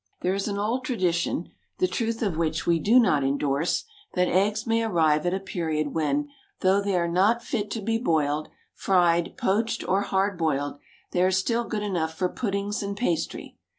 There is an old tradition, the truth of which we do not endorse, that eggs may arrive at a period when, though they are not fit to be boiled, fried, poached, or hard boiled, they are still good enough for puddings and pastry.